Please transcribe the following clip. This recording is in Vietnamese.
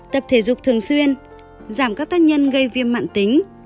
tập thể dục thường xuyên giảm các tác nhân gây viêm mạng tính